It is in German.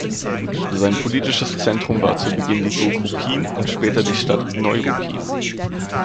Sein politisches Zentrum war zu Beginn die Burg Ruppin und später die Stadt Neuruppin.